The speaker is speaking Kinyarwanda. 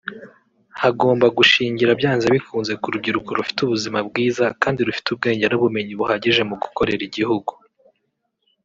hagomba gushingira byanze bikunze ku rubyiruko rufite ubuzima bwiza kandi rufite ubwenge n’ubumenyi buhagije mu gukorera igihugu